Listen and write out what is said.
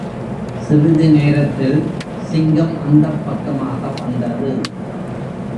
சிறிது நேரத்தில் சிங்கம் அந்தப் பக்கமாக வந்தது.